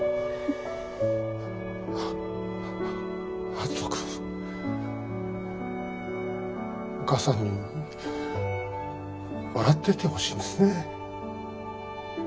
篤人君お母さんに笑っててほしいんですね。